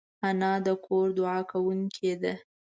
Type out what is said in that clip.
انا د کورنۍ دعا کوونکې ده